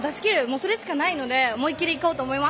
それしかないので思い切りいこうと思います。